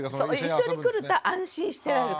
一緒に来ると安心してられるから。